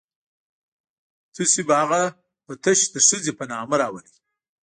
تاسو به هغه په تش د ښځې په نامه راولئ.